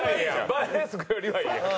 バーレスクよりはいいやん。